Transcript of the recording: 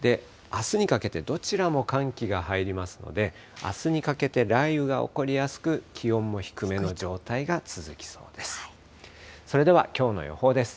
あすにかけてどちらも寒気が入りますので、あすにかけて雷雨が起こりやすく、気温も低めの状態が続きそうです。